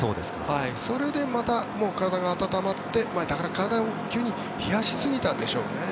それでまた、体が温まって体を急に冷やしすぎたんでしょうね。